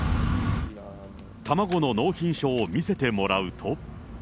卵の納品書を見せてもらうと。